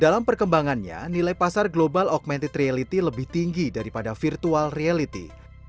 dalam perkembangannya nilai pasar global augmented reality lebih tinggi daripada virtual reality